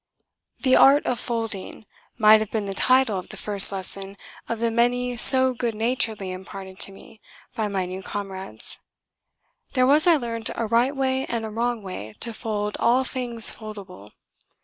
"The Art of Folding" might have been the title of the first lesson of the many so good naturedly imparted to me by my new comrades. There was, I learnt, a right way and a wrong way to fold all things foldable.